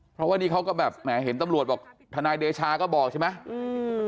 เพราะว่านี่เขาก็แบบแหมเห็นตำรวจบอกทนายเดชาก็บอกใช่ไหมอืม